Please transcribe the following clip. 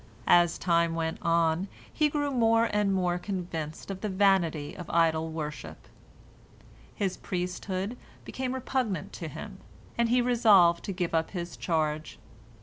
As time went on, he grew more and more convinced of the vanity of idol worship. His priesthood became repugnant to him, and he resolved to give up his, charge.